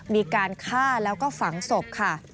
มีการฆ่าแล้วก็ฝังศพค่ะ